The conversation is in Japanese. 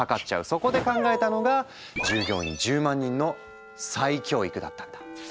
そこで考えたのが従業員１０万人の再教育だったんだ。